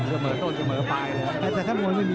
เสมอต้นเสมอไป